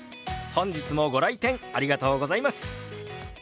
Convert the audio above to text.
本日もご来店ありがとうございます。